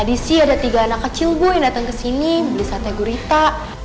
tadi sih ada tiga anak kecil gue yang datang kesini beli sate gurita